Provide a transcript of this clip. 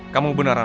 kamu benar anak